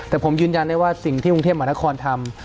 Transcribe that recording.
แต่ผมยืนยันได้ว่าสิ่งที่กรุงเทพมหานครทำ